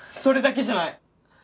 それだけじゃない。